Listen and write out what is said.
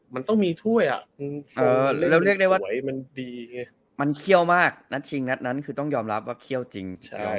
มันต้องมีถ้วยอ่ะมันเกี่ยวมากนั้นคือต้องยอมรับว่าเกี่ยวจริง